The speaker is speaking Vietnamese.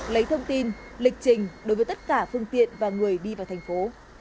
lấy thông tin lịch trình đối với tất cả phương tiện và người đi vào thành phố